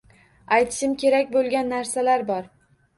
Aytishim kerak boʻlgan narsalar bor